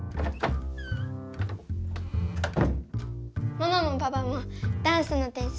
ママもパパもダンスの点数